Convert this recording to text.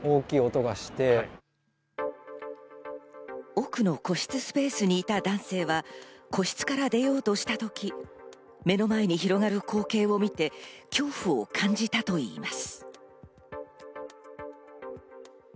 奥の個室スペースにいた男性は個室から出ようとしたとき目の前に広がる光景を見て恐怖を感じたといいます。